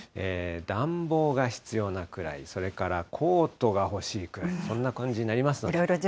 暖房が必要なくらい、それからコートが欲しいくらい、そんな感じになりますので。